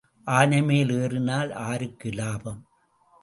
ஆனைமேல் ஏறினால் ஆருக்கு லாபம்?